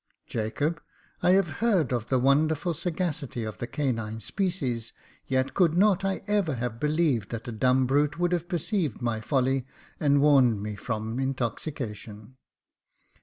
" Jacob, I have heard of the wonderful sagacity of the canine species, yet could not I ever have believed that a dumb brute would have perceived my folly, and warned me from intoxication.